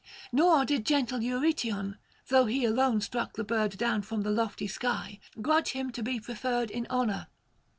Nor did gentle Eurytion, though he alone struck the bird down from the lofty sky, grudge him to be preferred in honour.